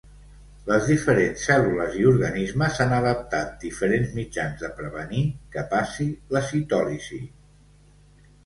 Les diferents cèl·lules i organismes han adaptat diferents mitjans de prevenir que passi la citòlisi.